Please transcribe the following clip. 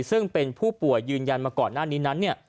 ซึ่งเป็นผู้ป่วยยืนยันมาก่อนหน้านี้นั้น